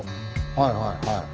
はいはいはい。